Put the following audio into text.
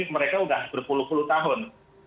ini mereka udah berpuluh puluh tahun